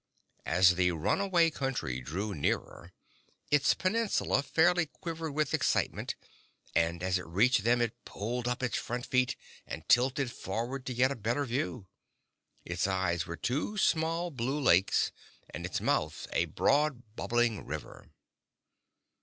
As the Runaway Country drew nearer, its peninsula fairly quivered with excitement and as it reached them it pulled up its front feet and tilted forward to get a better view. Its eyes were two small blue lakes and its mouth a broad bubbling river.